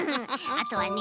あとはね